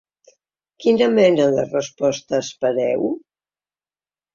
Quina mena de resposta espereu?